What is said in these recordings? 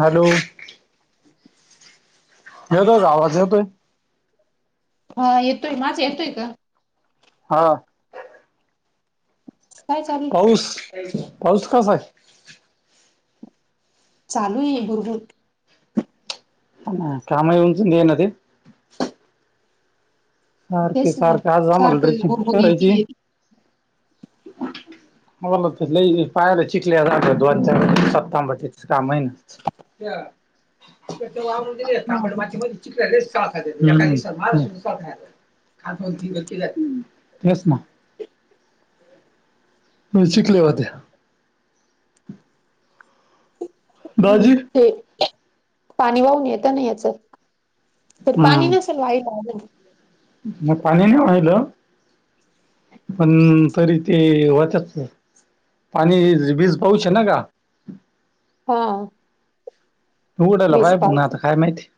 Hello. येतोय का आवाज येेतोय? हा येतोय माझा येतोय का? हा. काय चालू पाऊस, पाऊस कसा हाय? चालू आहे भुरबुर. ह कामही उमजु देना ते. सारखे तेच ना सारखे आज आम्हाला सारख ड्रेसिंग भुरभुर येतीये. आमाला तर लय पायाला चिखल्या झाल्यात दोन, चार दिवसात टमाटे कामहि नाहीच. हा ांब च [unintelligible] खातर केल्या तेच ना. शिकले होत्या. हम्म, दाजी हे पाणी वाहून येेत ना याच तर पाणी न व्हाइट हाय ग [unintelligible] मग पाणी नाही वाहिल? पण तरी ते होतात. पाणी आज, वीज पाऊस आहे ना गा? हा. उघडाला वीस पाहिजे पण पाऊस आता काय माहिती.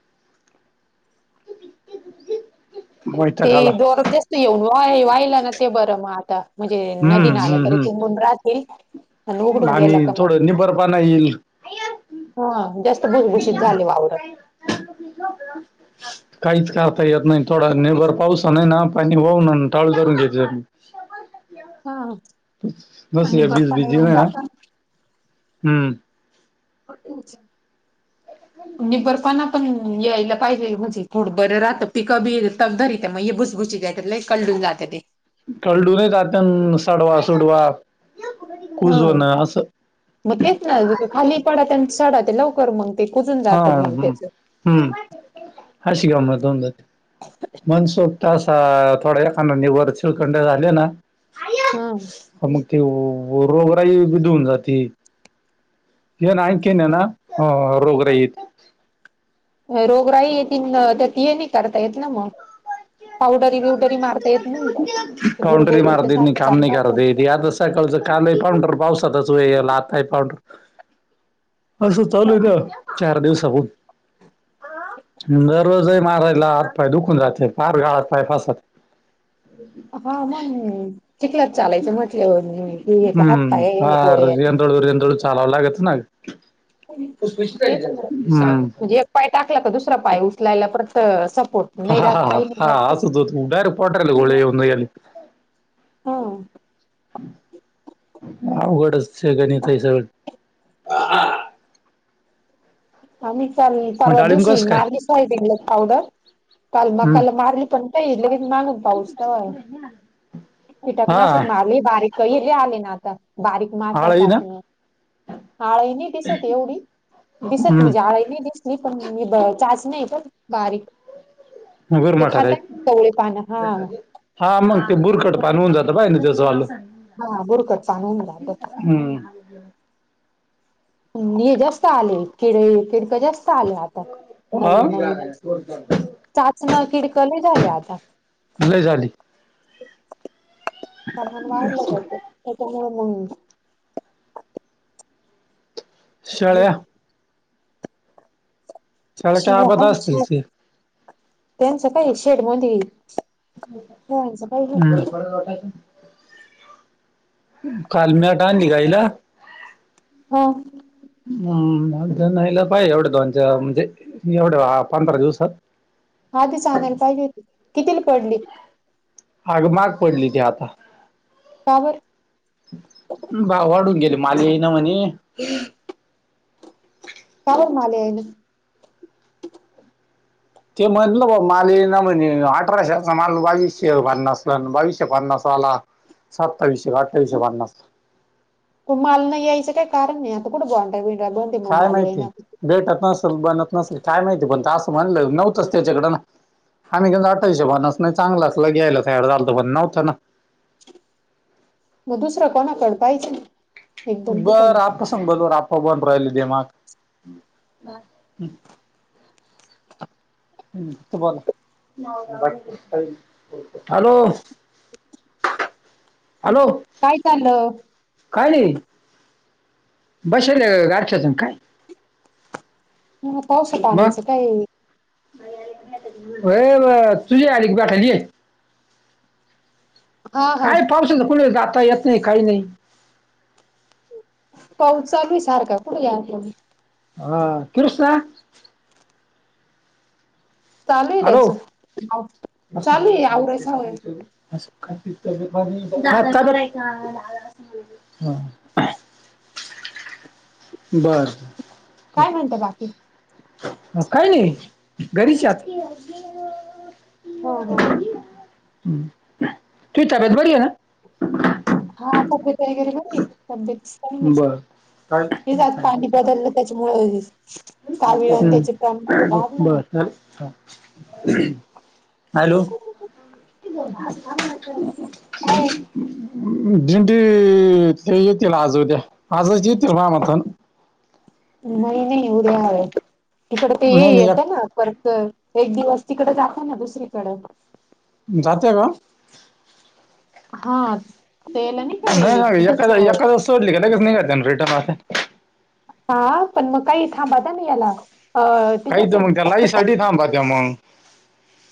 वैताग ते आला जोरात जास्त येऊन वाहिला ना ते बरं मग आता म्हणजे नदी हम्म नाल्या हम्म तरी हम्म तुंबून राह एक [unintelligible] आणि थोडं निबरपणा ईल. हा आहे. काम ते का नाही ना [unintelligible] [inaudible] काहीच करता येत नाही थोडा निबर पावसानेणा पाणी वाहून आणि टाळू धरून घेतले. हा बस आणि या निबर बीज पानी बीजी राहुन नाही ना जाताना. हम्म. असं होतं [unintelligible] निबरपणा पण यायला पाहिजे म्हंजे थोड बरं राहतं पिक बी तग धरित्या मग हे भुसभुशीत लई कल्डून जाते ते. कळडूनाय जात अन सडवा, सोडवा कुजून असं. म तेच ना इथे खाली पडत्या अन सडत्या लवकर मंग. हा हम्म, हम्म हशी गमत होऊन जाते. मनसोक्त असा थोडा येखानदा निबर चिळखंडे झाले ना ह्म्म. मग ती रोगराई धुऊन जाती. ह्यांन आणखीन ना अ रोगराई ये. रोगराही येतीन त्यात हे नाही करता येत ना मग पावडरी बिवडरी मारता. येत नाही पाउंडरी बुरबुरी तर मारता येथ नाही सारखं काम चालू नई राहतं. करता येती असच. सकाळचं काल आहे पाउंडर पावसातच वे याला आता आहे पावडर. असं चालू आहे ना चार दिवसा. दररोज हे मारायला हात पाय दुखून राहते फार गाळात पाय फस. [inaudible] हा मग चिखलात चालायचं म्हटल्यावर मी. ह्म्म फार यंदूळू येंदुळू चालावं लागत ना. उत्कृष्ट तेच ना एकदम [unintelligible] ह्म्म. म्हणजे एक पाय टाकला का दुसरा पाय उचलायला परत सप. ह्म्म हा हा हा असच होत डायरेक्ट पोटर्‍याला गोळे येऊ. [unintelligible] ह्म्म. अवघडए त्याच्याने सग. आम्ही काल मग परवा डाळिंब दिवशी कसं काय मारली सायटिंग ला पावडर काल हम्म मकाला मारली पण. की लगेच मागून पाऊस तर हा कीटकनाशक मारली बारीक. कही इडली आली ना आता बारीक. आळही माश्याचा ना [unintelligible] काळ नाही दिसत एवढी दिसत. हम्म आळी नाही दिसली पण मी बा चाचणी बारीक. ते गुरमाठा खात टाईप कवळी पान हा. हा मग ते बुरकट पान होऊन जातं. [unintelligible] हा बुरकट. [unintelligible] हम्. हे जास्त आले किडे किडका जास्त. आल्या आता हा नवीन नवीन चाचण खिडक लई झाल्य आता. लई झाली. सामान वाढलं [unintelligible] त्याच्यामुळ मंग. शळया. शाळ्या काय शेळ्या आबाद हाय न असतील शेळ ते त्यांचं काय शेड मंधी. हम्म. काल म्याट आणली का हिला? हम्म. हम् [unintelligible] पाहिजे एवढ्या दोनच्या म्हणजे एवढ्या पंधरा दिवसात. आधी सांगयला पाहिजे होती कितीला पडली? आग महाग पडली ती आता. का बरं. भाव वाढून गेले. [unintelligible] [unintelligible] ते म्हणलं बा माल येईना म्हणे अठराशेचा माल बावीसशे भांनासला बावीश. पन्नासवाला सत्तावीसशे का अठ्ठावीसशे पन्नास. माल नाही यायचं काही कारण नाही आता कुठं. काय माहिती [unintelligible] भेटत नसेल बनत नसेल काय माहिती पण असं म्हणलं नव्हतंच त्याच्याकड ना. आम्ही [unintelligible] अठ्ठावीसशे पन्नासन नाही चांगला असत तर घ्यायला तयार झालतो पण नव्हतं ना. म दुसरं कोणाकड पाहिचं ना. बरं आता सबजवर आप्पा बांधुन राहिले माग. [unintelligible] हॅलो. [inaudible] हॅलो. काय चाललं काय रे बसेले आहे गारठ्यातच अन काय. ह्या पावसा पाण्याचं काय व्हय तुझी आली की भेटायला ये. हा हा काय पाऊसच कुठे जाता येत नाही काही नाही. पाऊस चालूय आहे सारखा कुठे माल तुम्ही? हा कृष्णा? चालू आहे हॅलो. त्याच [inaudible] चालू आहे आवरायचं [unintelligible] [inaudible] बर. काय म्हणता बाकी? अ काय नाही घरीचय आता. हो घरी. तुई तब्येत बरीये ना? हा तब्येत वगैरे बरिय तब्येतच काही बर काय नाही हेच आज पाणी बदललं त्याच्यामुळ हम्म वाढलं ना बर. [inaudible] हॅलो. काय [unintelligible] ते येतील आज, उद्या आजच येतील या मता ना. नाही, नाही उद्या इकड ते हे नाही नाही येतं ना एक पर तर एक दिवस तिकड दाखव ना दुसरीकडं? जातोय का? हा तेला नाही का रे इतच सोचली का कस नाही का लगेच जन रेटर राहते. हा पण मग काही थांबताना याला अ काही तिथंच तर आहे. मग त्या लाइन साठी थांबत्या मग.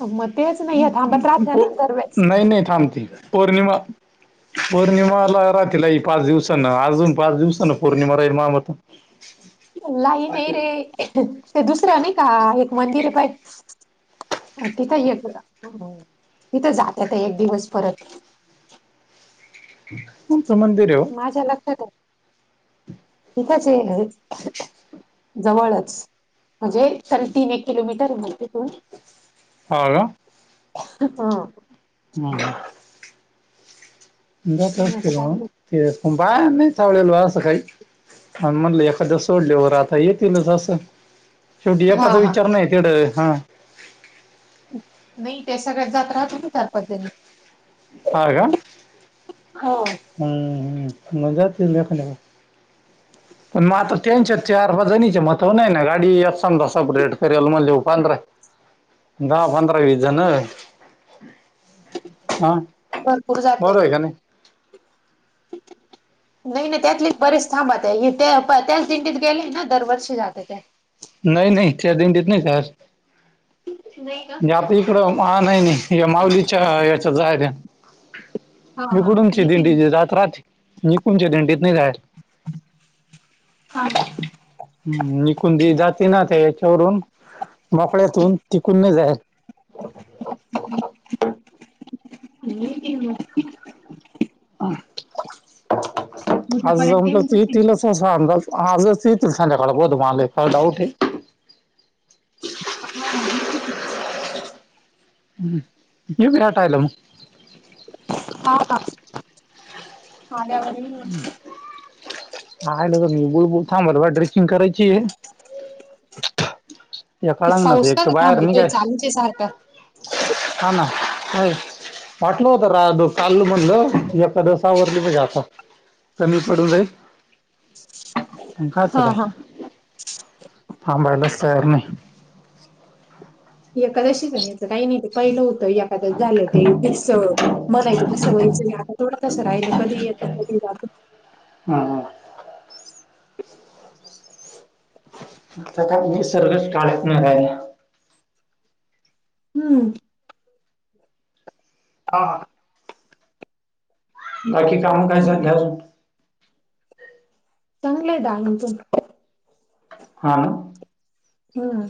हो मग. तेच नाही थांबत राहत ना दरवेळेस नाही, नाही थांबती. पौर्णिमा, पौर्णिमाला रात्रीला येईल. पाच दिवसांन अजून पाच दिवसांन पौर्णिमा राहील मा मते- लाईना रे ते दुसरं नाही का एक मंदिर आहे पाय अ तिथं येतो तिथं जाता एक दिवस परत? कोणत मंदीर ये ओ? माझ्या लक्षात आहे. इथेच ये जवळच. म्हणजे चल तीन, एक किलोमीटर म्हणे तिथून. हो का? हम्म. हम्म. नसल आता ते काय हो माहित. पण बाया नाही चावळले व असं काही? आणि म्हणले एकादस सोडल्यावर आता येतीलच असं शेवटी हा एकाचा हा विचार नाही तेढ हां नाही त्या सगळ्या जात राहतात ना चार पाच जणी हा का, हो हम् [unintelligible] पण मग आता त्यांच्या चार पाच जणीचे महत्व नाही ना गाडी यात समजा सपरेट करेल मग लव पांधर दहा, पांधरा, विस जण हा, भरपूर जाते बरोबर हे का नही [unintelligible] नाही नाही त्यातले बरेच थांबात्या, हिथं आहे त्याच दिंडीत गेले ना दरवर्षी जाते त्या नाही नाही त्या दिंडीत नाही जात नाही का? आता इकडं नाही, नाही या माउलीच्या याच्या जायाच्या हा हा इकडून ची दिंडी येतील नी जात राहाती, इकुणच्या दिंडीत नाही जात हा हम्म इकुनची दिंडी जाते ना त्या याच्यावरून, मोकळ्यातून तिकून नाही जात [unintelligible] उद्यापर्यंत येऊन हजार [unintelligible] जातील येतीलच असा अंदाज आजच येतील, संध्याकाळ तस तसा मला डाऊट हेय [unintelligible] [unintelligible] हां का [unintelligible] आहे ना का मी बुळबुल थांबल बा ड्रेसिंग करायचीय या ते कळगनाच एक पावसात तर बाहेर थांबतोय निघाय, चालूच आहे सारखा. हा ना काय वाटलं होत राव काल म्हणलं, एखादस आवरली म्हणजे आता कमी पडून जाईल खायचं हा हा काय, थांबायला तयार नाही एकाद्शीच अन् ह्याच काही नाही ते पहिलं होतं एखादच झालं ते फिक्स म्हणायच कसं वयचं नाही आता थोडं तसं राहिलं कधी येत कधी जातं हा हा. [unintelligible] [unintelligible] निसर्ग काळत नाही हाय हम्म. हां बाकी काम काय [unintelligible] चांगलय दहा मिनिट हां हम्म.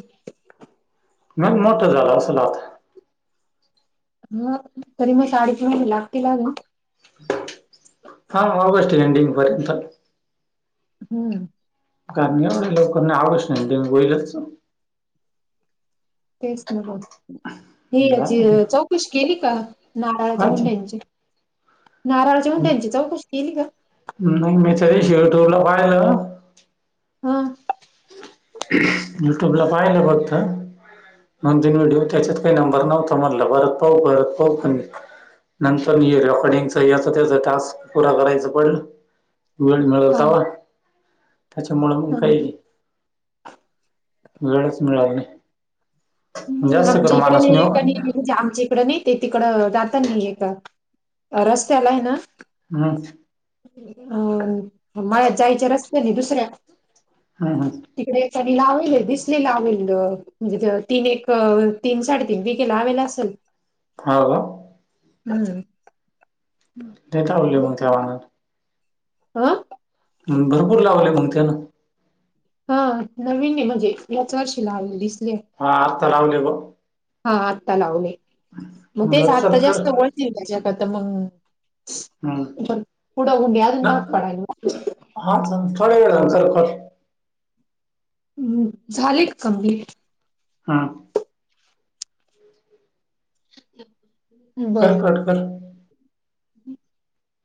मग मोठं झालं असंल आत? मग तरी शाळेचा माहिती लागल ना? हा मग ऑगस्ट एंडिंगपर्यंत हम्म. कारण एवढं लवकर नाही ऑगस्ट [unintelligible] होईलच तेच [unintelligible] हे याची झालं. चौकशी केली का, नारळाच्या काय ते? मुंड्यांची? नाराळाची मुंड्यांची त्यांची चौकशी केली का? नाही, मी तरी शिवटला पाहिलं हम्म. यूट्यूबला पाहिलं फक्त. दोन-तीन व्हिडिओ त्याच्यात काही नंबर नव्हता, म्हणला परत पाहु [unintelligible] नंतर रेकॉर्डिंगचा याच त्याचा टास्क पुरा करायचं पण वेळ मिळल हा तहा, त्याच्यामुळं मग हा काही वेळच मिळाल नाही. नाही, जास्त कर आमच्या माणूस इकडे, नेऊ हम्म, आमच्या इकडं नाही, ते तिकडं जातात नाही एक रस्त्याला आहे ना? [unintelligible] अं, मळ्यात जायच्या रस्त्याने दुसऱ्या हा हा. तिकडे सगळी लावलेलं दिसले लावलेलं तीन एक तीन साडेतीन वी केेला लावेल असेल हां का? हम्म. देतात [unintelligible] हं. भरपूर लावले मग त्यांन हं नवीन आहे म्हणजे याच वर्षी लावले दिसले. हा आता लावले हो हा, आता लावले. मग तेच बर चल आता कर जास्त वय त्याच्याकरता मग हम्म पुढं ना [unintelligible] पडायला हा मग थोड्या वेळानंतर कर हम्म्म झाली का कम्प्लीट? हा. [inaudible] बर. कर कट कर.